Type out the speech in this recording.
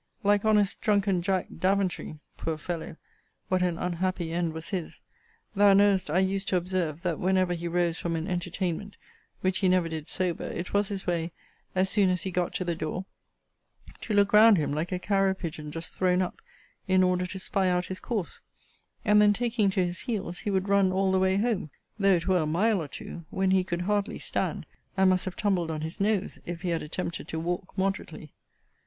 Like honest drunken Jack Daventry, [poor fellow! What an unhappy end was his!] thou knowest, I used to observe, that whenever he rose from an entertainment, which he never did sober, it was his way, as soon as he got to the door, to look round him like a carrier pigeon just thrown up, in order to spy out his course; and then, taking to his heels, he would run all the way home, though it were a mile or two, when he could hardly stand, and must have tumbled on his nose if he had attempted to walk moderately.